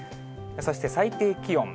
そして最低気温。